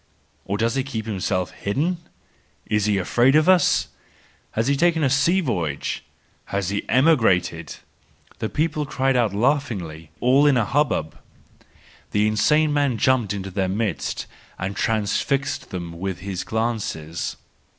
Or does he keep himself hidden ? Is he afraid of us ? Has he taken a sea voyage? Has he emigrated?—the people cried out laughingly, all in a hubbub. The insane man jumped into their midst and transfixed them with his glances.